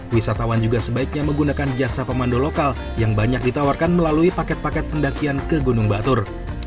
wisatawan juga sebaiknya menggunakan jasa pemandu lokal yang banyak ditawarkan melalui paket paket pendakian ke gunung batur